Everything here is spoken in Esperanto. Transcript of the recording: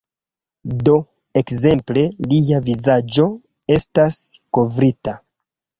Do, ekzemple lia vizaĝo estas kovrita